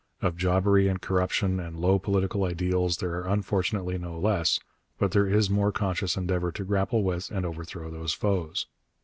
Of jobbery and corruption and low political ideals there are unfortunately no less, but there is more conscious endeavour to grapple with and overthrow these foes.